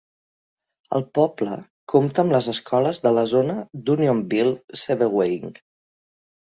El poble compta amb les escoles de la zona d'Unionville-Sebewaing.